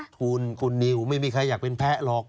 ทุนคุณนิวไม่มีใครอยากเป็นแพ้หรอก